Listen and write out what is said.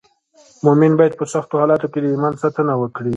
مومن باید په سختو حالاتو کې د ایمان ساتنه وکړي.